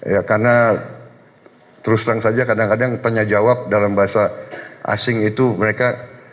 ya karena terus terang saja kadang kadang tanya jawab dalam bahasa asing itu mereka